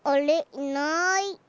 いない。